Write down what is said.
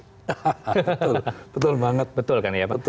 betul betul banget betul kan ya betul